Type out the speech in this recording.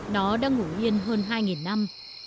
nó đang ngủ yên hơn hai năm